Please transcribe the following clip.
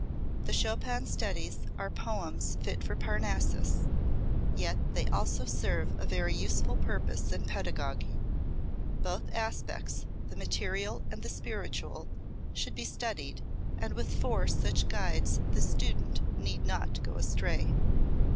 The Chopin studies are poems fit for Parnassus, yet they also serve a very useful purpose in pedagogy. Both aspects, the material and the spiritual, should be studied, and with four such guides the student need not go astray.